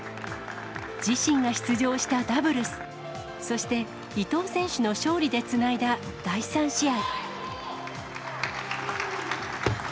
自身が出場したダブルス、そして、伊藤選手の勝利でつないだ第３試合。